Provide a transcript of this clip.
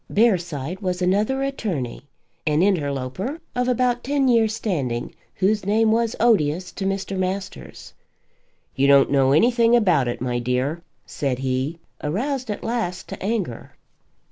Bearside was another attorney, an interloper of about ten years' standing, whose name was odious to Mr. Masters. "You don't know anything about it, my dear," said he, aroused at last to anger.